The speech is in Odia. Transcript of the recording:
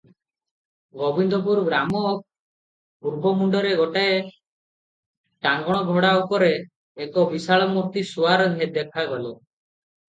ଗୋବିନ୍ଦପୁର ଗ୍ରାମ ପୂର୍ବ ମୁଣ୍ତରେ ଗୋଟାଏ ଟାଙ୍ଗଣ ଘୋଡ଼ା ଉପରେ ଏକ ବିଶାଳମୂର୍ତ୍ତି ସୁଆର ଦେଖାଗଲେ ।